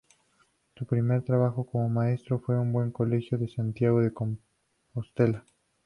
Su primer trabajo como maestro fue en un buen colegio de Santiago de Compostela.